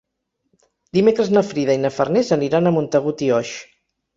Dimecres na Frida i na Farners aniran a Montagut i Oix.